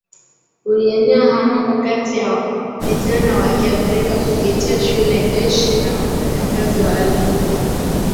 ulienea haraka kati ya vijana Wa kiafrika kupitia shule jeshi na wafanyakazi wa reli